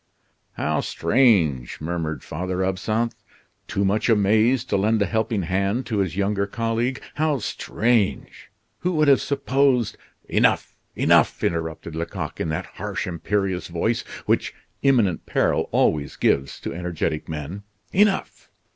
"How strange," murmured Father Absinthe, too much amazed to lend a helping hand to his younger colleague. "How strange! Who would have supposed " "Enough! enough!" interrupted Lecoq, in that harsh, imperious voice, which imminent peril always gives to energetic men. "Enough!